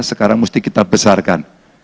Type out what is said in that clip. sekarang mesti kita besarkan